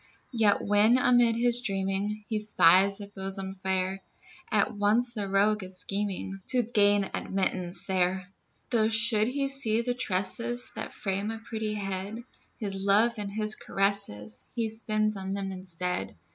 Yet when, amid his dreaming, He spies a bosom fair, At once the rogue is scheming To gain admittance there; Though should he see the tresses That frame a pretty head, His love and his caresses He spends on them instead.